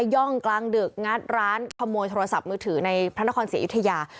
ร่องกลางดึกงัดร้านขโมยโทรศัพท์มือถือในพระนครศรีอยุธยา